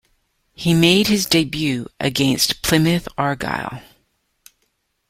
He made his debut against Plymouth Argyle.